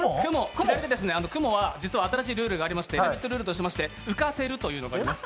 雲は実は新しいルールがありまして、「ラヴィット！」ルールとしまして浮かせるというのがあります。